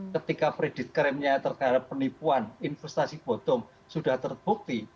ketika predikat krimnya terhadap penipuan investasi potong sudah terbukti